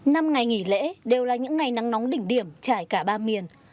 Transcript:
năm ngày nghỉ lễ đều là những ngày nắng nóng đỉnh điểm trải cả ba miền